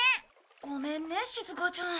ごめんねしずかちゃん。